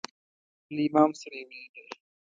له امام سره یې ولیدل.